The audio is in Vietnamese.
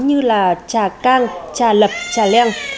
như là trà cang trà lập trà leang